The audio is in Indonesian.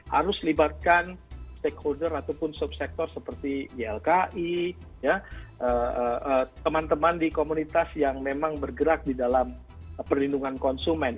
harus libatkan stakeholder ataupun subsektor seperti ylki teman teman di komunitas yang memang bergerak di dalam perlindungan konsumen